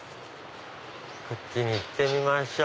こっちに行ってみましょう。